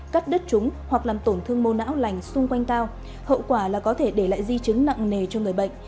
cắt đứt trúng hoặc làm tổn thương mô não lành xung quanh cao hậu quả là có thể để lại di chứng nặng nề cho người bệnh